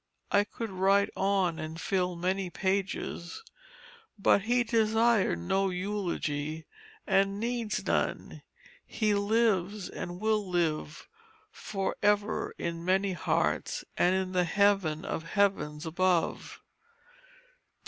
I could write on and fill many pages. But he desired no eulogy, and needs none. He lives, and will live for ever in many hearts and in the heaven of heavens above.